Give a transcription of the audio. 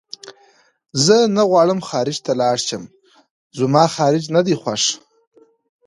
زه نه غواړم خارج ته لاړ شم زما خارج نه دی خوښ